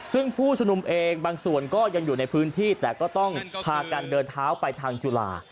ซึ่งผู้ชุมนุมเองบางส่วนก็ยังอยู่ในพื้นที่แต่ก็ต้องพากันเดินเท้าไปทางจุฬา